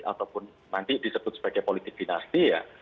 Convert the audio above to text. ataupun nanti disebut sebagai politik dinasti ya